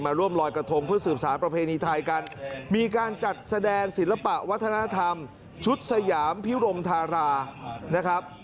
ร่วมลอยกระทงเพื่อสืบสารประเพณีไทยกันมีการจัดแสดงศิลปะวัฒนธรรมชุดสยามพิรมธารานะครับ